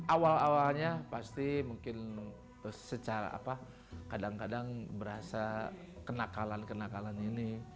awal awalnya pasti mungkin secara apa kadang kadang berasa kenakalan kenakalan ini